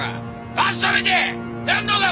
バス止めてやんのか？